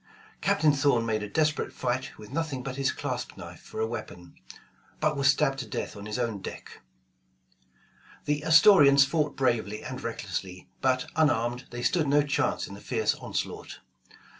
Captain Thorn made a desperate fight with nothing but his clasp knife for a weapon, but was stabbed to death on his own deck. 168 Voyage of the Tonquln The Astorians fought bravely and recklessly, but un armed, they stood no chance in the fierce onslaught.